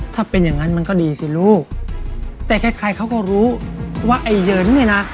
ถ้าเป็นอย่างนั้นมันก็ดีสิลูกแต่ใครใครเขาก็รู้ว่าไอ้เหินเนี่ยนะ